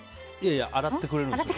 洗ってくれるんです。